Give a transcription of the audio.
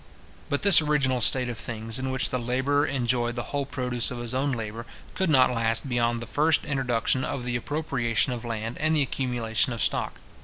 But this original state of things, in which the labourer enjoyed the whole produce of his own labour, could not last beyond the first introduction of the appropriation of land and the accumulation of stock.